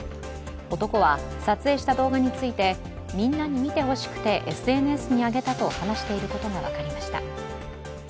男は撮影した動画についてみんなに見てほしくてＳＮＳに上げたと話していることが分かりました。